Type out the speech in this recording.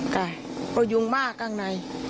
ก็ยุงมากข้างใน